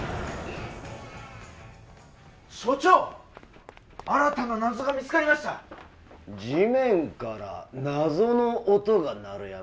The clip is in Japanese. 所長新たな謎が見つかりました「地面から謎の音が鳴る山」？